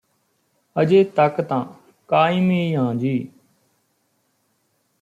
ਅਜੇ ਤੱਕ ਤਾਂ ਕਾਇਮ ਈ ਆਂ ਜੀ